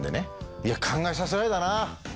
いや考えさせられたな